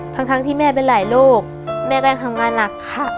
ทั้งที่แม่เป็นหลายโรคแม่ก็ยังทำงานหนักค่ะ